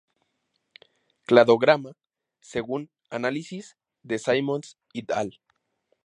Cladograma según análisis de Simmons "et al".